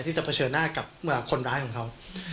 จะเผชิญหน้ากับคนร้ายของเขา